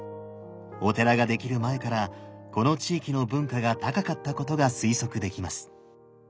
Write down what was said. お寺が出来る前からこの地域の文化が高かったことが推測できます。